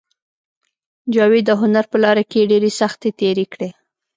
جاوید د هنر په لاره کې ډېرې سختۍ تېرې کړې